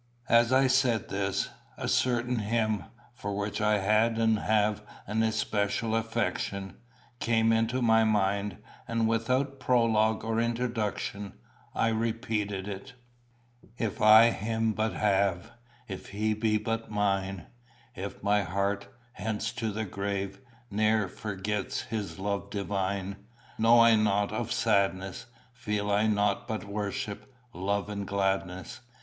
As I said this, a certain hymn, for which I had and have an especial affection, came into my mind, and, without prologue or introduction, I repeated it: "If I Him but have, If he be but mine, If my heart, hence to the grave, Ne'er forgets his love divine Know I nought of sadness, Feel I nought but worship, love, and gladness.